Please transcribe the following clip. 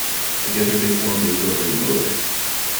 Together they form a rotary motor.